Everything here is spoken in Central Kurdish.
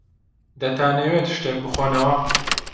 دەتانەوێت شتێک بخۆنەوە؟